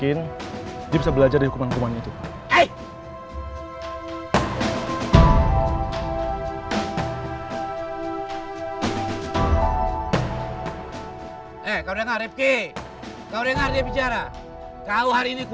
ini baju kau pun nggak digancing